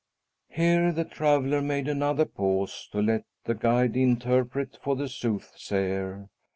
Here the traveller made another pause to let the guide interpret for the soothsayer.